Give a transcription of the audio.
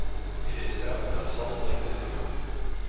It is south of Salt Lake City.